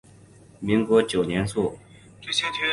民国九年卒。